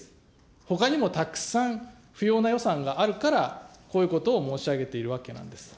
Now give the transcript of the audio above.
ほかにもたくさん不要な予算があるから、こういうことを申し上げているわけなんです。